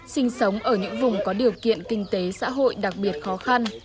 sinh sống ở những vùng có điều kiện kinh tế xã hội đặc biệt khó khăn